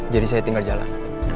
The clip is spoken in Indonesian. jadi saya tinggal jalan